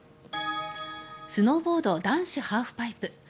スノーボード男子ハーフパイプ。